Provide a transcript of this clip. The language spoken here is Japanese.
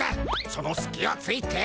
そのすきをついて。